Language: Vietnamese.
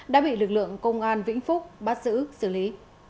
đã bị lực lượng công an vĩnh phúc bắt giữ xử lý